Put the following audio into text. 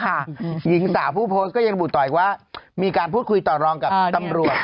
หญิงสาวผู้โพสต์ก็ยังบุตรต่ออีกว่ามีการพูดคุยต่อรองกับตำรวจ